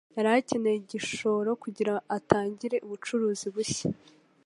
Yari akeneye igishoro kugirango atangire ubucuruzi bushya.